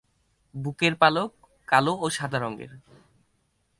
বুকের পালক কালো ও সাদা রঙের।